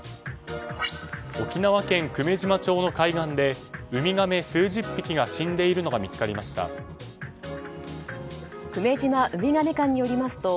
沖縄県久米島町の海岸でウミガメ数十匹が死んでいるのが見つかりました。